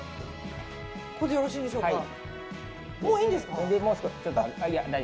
これでよろしいでしょうか。